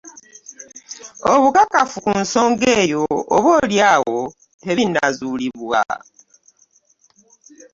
Obukkakafu ku nsonga eyo oboolyawo tebinaazuulibwa.